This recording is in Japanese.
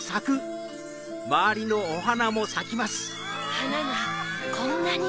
はながこんなに！